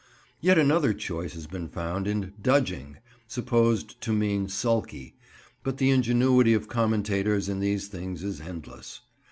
Yet another choice has been found, in "Dudging," supposed to mean "sulky"; but the ingenuity of commentators in these things is endless.